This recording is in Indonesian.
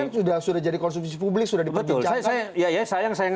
ini sudah jadi konsumsi publik sudah diperbincangkan